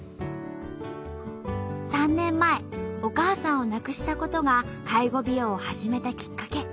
３年前お母さんを亡くしたことが介護美容を始めたきっかけ。